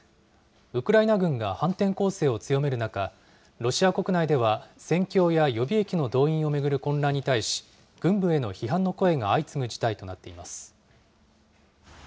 ウクライナ軍が反転攻勢を強める中、ロシア国内では戦況や予備役の動員を巡る混乱に対し、軍部への批判の声が相次ぐ事態となっています。